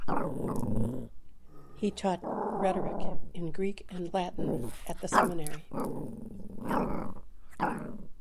He taught rhetoric in Greek and Latin at the seminary.